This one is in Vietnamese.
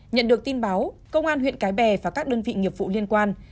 nhận được tin báo công an huyện cái bè và các đơn vị nghiệp vụ liên quan